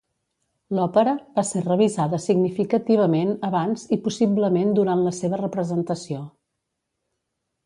L'òpera va ser revisada significativament abans i possiblement durant la seva representació.